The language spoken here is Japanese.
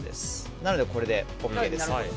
なので、これでＯＫです。